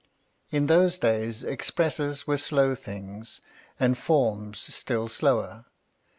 In those days, expresses were slow things, and forms still slower.